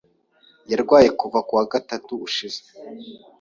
Yarwaye kuva kuwa gatatu ushize.